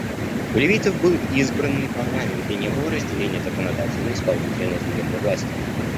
У ливийцев был избранный парламент, и не было разделения законодательной, исполнительной и судебной власти.